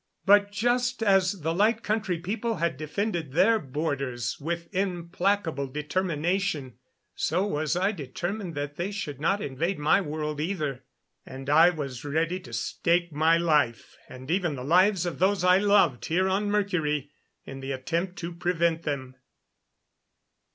But just as the Light Country People had defended their borders with implacable determination, so was I determined that they should not invade my world, either. And I was ready to stake my life and even the lives of those I loved here on Mercury in the attempt to prevent them.